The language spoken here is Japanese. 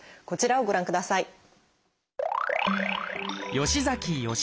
こちらをご覧ください。